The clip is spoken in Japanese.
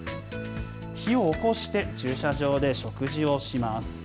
火をおこして、駐車場で食事をします。